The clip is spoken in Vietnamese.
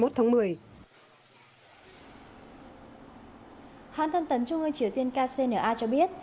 hãng thân tấn trung ương triều tiên kcna cho biết